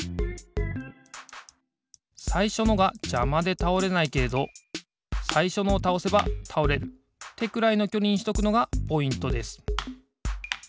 さいしょのがじゃまでたおれないけれどさいしょのをたおせばたおれるってくらいのきょりにしとくのがポイントです。